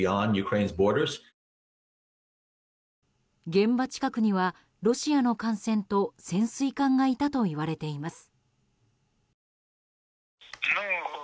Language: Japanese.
現場近くにはロシアの艦船と潜水艦がいたといわれています。